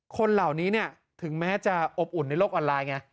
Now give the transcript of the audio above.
คนเหล่านี้เนี่ยถึงแม้จะอบอุ่นในโลกออนไลน์ไง